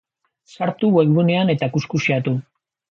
Sartu webgunean eta kuxkuxeatu!